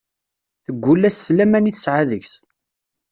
Teggul-as s laman i tesɛa deg-s.